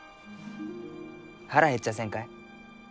腹減っちゃあせんかえ？